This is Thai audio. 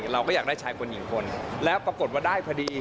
เราก็อยากได้ชายคนหญิงคนแล้วปรากฏว่าได้พอดี